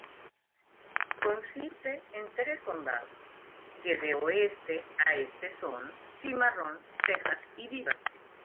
Consiste en tres condados, que de oeste a este son: Cimarrón, Texas y Beaver.